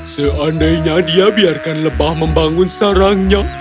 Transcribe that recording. seandainya dia biarkan lebah membangun sarangnya